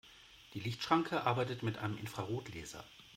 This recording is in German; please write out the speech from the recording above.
Die Lichtschranke arbeitet mit einem Infrarotlaser.